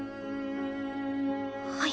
はい。